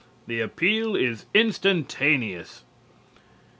The appeal is instantaneous.